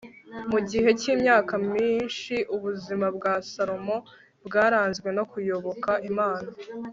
mu gihe cy'imyaka minshi, ubuzima bwa salomo bwaranzwe no kuyoboka imana